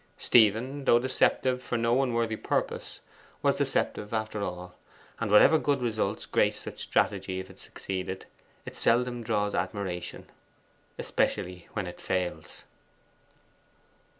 Stephen, though deceptive for no unworthy purpose, was deceptive after all; and whatever good results grace such strategy if it succeed, it seldom draws admiration, especially when it fails.